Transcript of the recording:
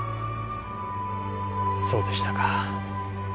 そうでしたか。